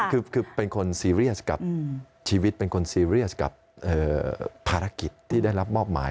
คือเป็นคนซีเรียสกับชีวิตเป็นคนซีเรียสกับภารกิจที่ได้รับมอบหมาย